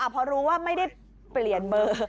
พอรู้ว่าไม่ได้เปลี่ยนเบอร์